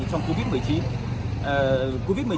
covid một mươi chín thì thêm đeo khẩu trang